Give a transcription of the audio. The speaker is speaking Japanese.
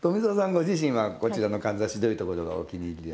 ご自身はこちらのかんざしどういうところがお気に入りでいらっしゃいます？